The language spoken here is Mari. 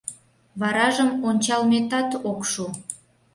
Варажым ончалметат ок шу.